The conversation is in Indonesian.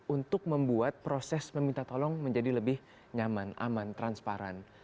untuk membuat proses meminta tolong menjadi lebih nyaman aman transparan